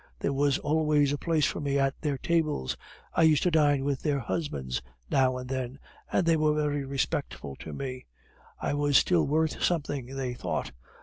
There was always a place for me at their tables. I used to dine with their husbands now and then, and they were very respectful to me. I was still worth something, they thought.